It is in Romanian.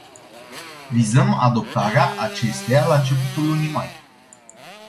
Vizăm adoptarea acesteia la începutul lunii mai.